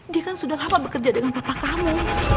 dia kan sudah lama bekerja dengan papa kamu